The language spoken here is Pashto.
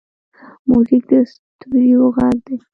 موزیک د ستوریو غږ دی.